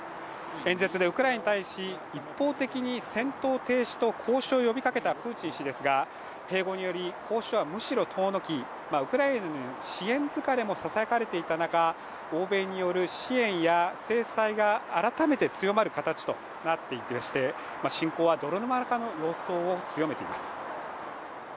演説でウクライナに対し一方的に戦闘停止と交渉を呼びかけたプーチン氏ですが併合により交渉はむしろ遠のきウクライナへの支援疲れもささやかれていた中欧米による支援や制裁が改めて強まる形となっていて侵攻は泥沼化の様相を強めています。